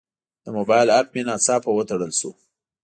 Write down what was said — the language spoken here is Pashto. د موبایل اپ مې ناڅاپه وتړل شو.